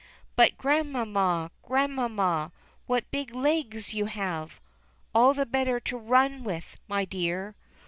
"But Grandmamma, Grandmamma, what big legs you have !" "All the better to run with, my dear."